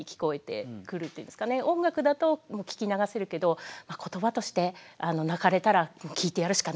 音楽だと聞き流せるけど言葉として鳴かれたら聞いてやるしかないなと。